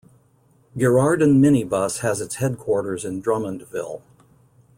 Girardin Minibus, has its headquarters in Drummondville.